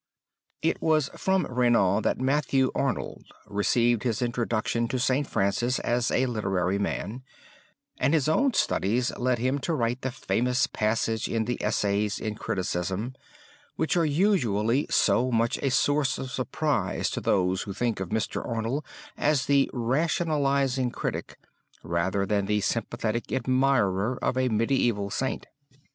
It was from Renan that Matthew Arnold received his introduction to St. Francis as a literary man, and his own studies led him to write the famous passages in the Essays in Criticism, which are usually so much a source of surprise to those who think of Mr. Arnold as the rationalizing critic, rather than the sympathetic admirer of a medieval saint.